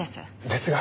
ですが。